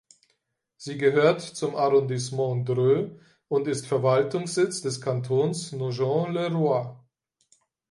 Sie gehört zum Arrondissement Dreux und ist Verwaltungssitz des Kantons Nogent-le-Roi.